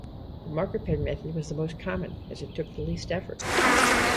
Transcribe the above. The marker pen method was the most common as it took the least effort.